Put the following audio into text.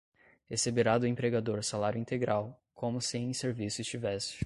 receberá do empregador salário integral, como se em serviço estivesse